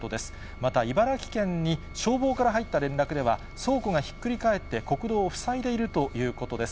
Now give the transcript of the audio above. また茨城県に、消防から入った連絡では、倉庫がひっくり返って国道を塞いでいるということです。